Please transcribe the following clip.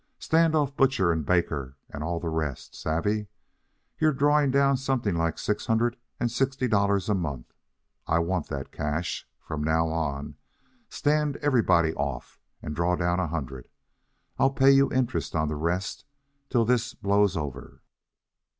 Stand off butcher and baker and all the rest. Savvee? You're drawing down something like six hundred and sixty dollars a month. I want that cash. From now on, stand everybody off and draw down a hundred. I'll pay you interest on the rest till this blows over."